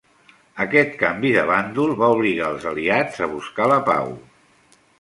Aquest canvi de bàndol va obligar els aliats a buscar la pau.